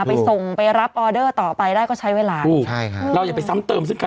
ไปส่งไปรับออดเตอร์ต่อไปได้ก็ใช้เวลายัง